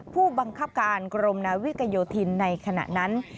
ผู้บังคับการกรมนาวิกโยธินในขณะนั้น